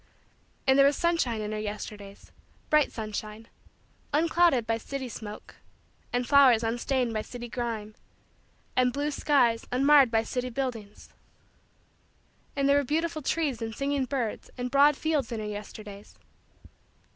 And there was sunshine in her Yesterdays bright sunshine unclouded by city smoke; and flowers unstained by city grime; and blue skies unmarred by city buildings; and there were beautiful trees and singing birds and broad fields in her Yesterdays.